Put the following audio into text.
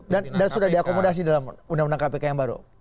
dan sudah diakomodasi dalam undang undang kpk yang baru